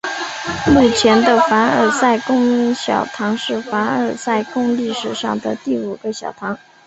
目前的凡尔赛宫小堂是凡尔赛宫历史上的第五个小堂。